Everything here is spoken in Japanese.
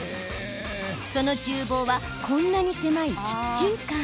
その、ちゅう房はこんなに狭いキッチンカー。